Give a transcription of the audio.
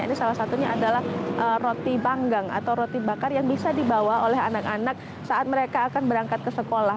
ini salah satunya adalah roti banggang atau roti bakar yang bisa dibawa oleh anak anak saat mereka akan berangkat ke sekolah